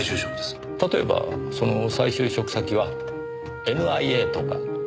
例えばその再就職先はＮＩＡとか。